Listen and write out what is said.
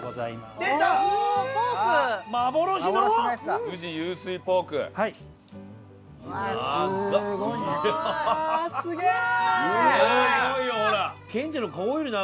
すごい！